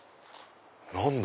何だ？